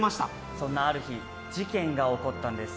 そんなある日事件が起こったんです。